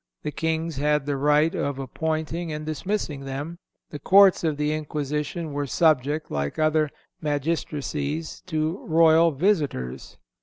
The Kings had the right of appointing and dismissing them.... The courts of the Inquisition were subject, like other magistracies, to royal visitors.